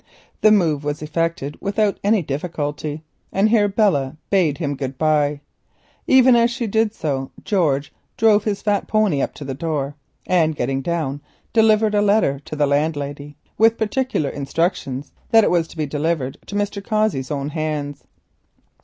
The move was effected without any difficulty, and here Belle bade him good bye. Even as she did so George drove his fat pony up to the door, and getting down gave a letter to the landlady, with particular instructions that it was to be delivered into Mr. Cossey's own hands.